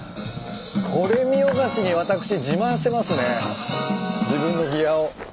これ見よがしに私自慢してますね自分のギアを。